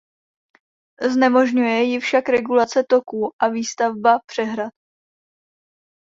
Znemožňuje ji však regulace toku a výstavba přehrad.